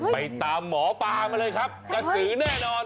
ไปตามหมอปลามาเลยครับกระสือแน่นอน